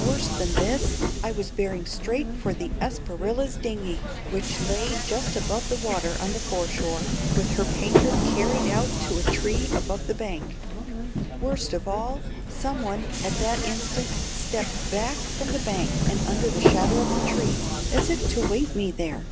Worse than this, I was bearing straight for the Espriella's dinghy, which lay just above water on the foreshore, with her painter carried out to a tree above the bank. Worst of all, some one at that instant stepped back from the bank and under the shadow of the tree, as if to await me there.